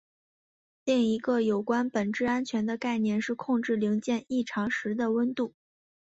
另一个有关本质安全的概念是控制零件异常时的温度。